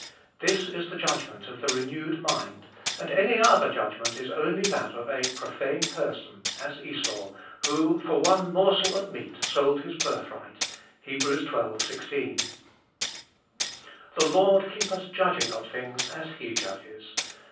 This is the judgment of the renewed mind; and any other judgment is only that of "a profane person, as Esau, who for one morsel of meat sold his birthright." (Heb. xii. 16.) The Lord keep us judging of things as he judges.